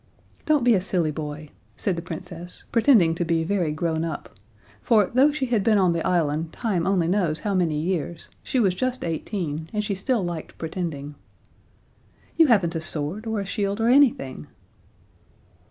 "Don't be a silly boy," said the Princess, pretending to be very grown up, for, though she had been on the island time only knows how many years, she was just eighteen, and she still liked pretending. "You haven't a sword, or a shield, or anything!"